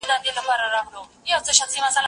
ايا ته بوټونه پاکوې